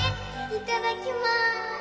いただきます。